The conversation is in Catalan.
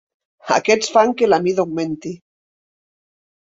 Aquests fan que la mida augmenti.